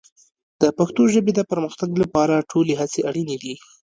د پښتو ژبې د پرمختګ لپاره ټولې هڅې اړین دي.